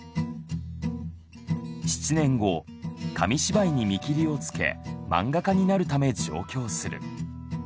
７年後紙芝居に見切りをつけ漫画家になるため上京する。